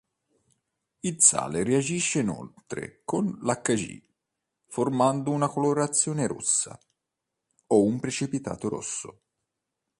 Il sale reagisce inoltre con Hg, formando una colorazione rossa o un precipitato rosso.